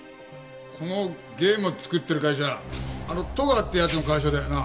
このゲーム作ってる会社あの戸川って奴の会社だよな？